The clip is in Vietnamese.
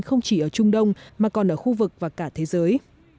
không chỉ ở trung đông mà còn ở khu vực và cả thế giới